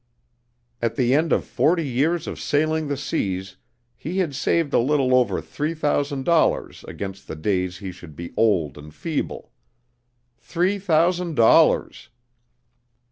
At the end of forty years of sailing the seas he had saved a little over three thousand dollars against the days he should be old and feeble. Three thousand dollars!